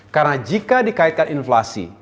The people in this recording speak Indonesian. karena jika dikaitkan inflasi